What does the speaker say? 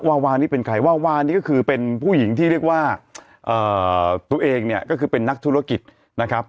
วาวานี่เป็นใครวาวานี่ก็คือเป็นผู้หญิงที่เรียกว่าตัวเองเนี่ยก็คือเป็นนักธุรกิจนะครับ